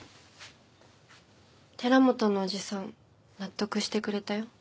寺本のおじさん納得してくれたよ。